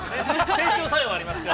整腸作用がありますから。